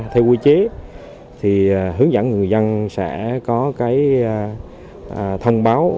theo quy chế thì hướng dẫn người dân sẽ có cái thông báo